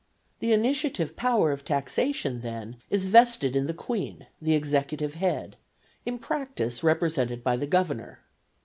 The initiative power of taxation then is vested in the Queen, the executive head, in practice represented by the Governor.